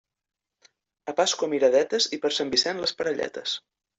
A Pasqua miradetes i per Sant Vicent les parelletes.